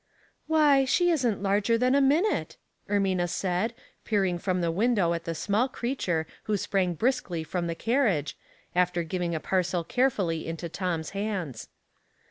" Why, she isn't larger than a minute," Er mina said, peering from the window at the small creature who sprang briskly from the carriage, after giving a parcel carefully into Tom's hands.